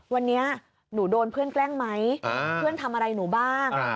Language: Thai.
วันนี้หนูโดนเพื่อนแกล้งไหมเพื่อนทำอะไรหนูบ้าง